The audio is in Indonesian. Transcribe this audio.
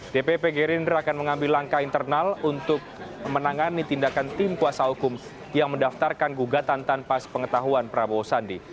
dpp gerindra akan mengambil langkah internal untuk menangani tindakan tim kuasa hukum yang mendaftarkan gugatan tanpa sepengetahuan prabowo sandi